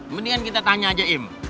mendingan kita tanya aja im